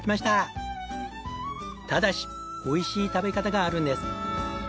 ただしおいしい食べ方があるんです。